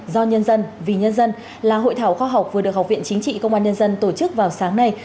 do nhân dân vì nhân dân là hội thảo khoa học vừa được học viện chính trị công an nhân dân tổ chức vào sáng nay